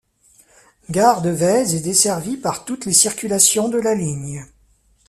Gare de Vaise est desservie par toutes les circulations de la ligne.